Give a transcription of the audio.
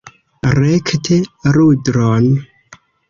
Rekte rudron!